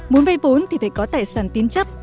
muốn vay vốn thì phải có tài sản tín chấp